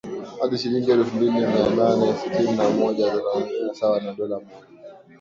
hadi shilingi elfu mbili mia nane sitini na moja za Tanzania sawa na dola mmoja